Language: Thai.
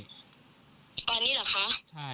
ตอนนี้เหรอคะ